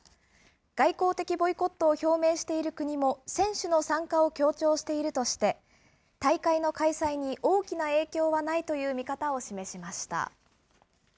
外交的ボイコットを表明している国も、選手の参加を強調しているとして、大会の開催に大きな影響はないという見方を示しました。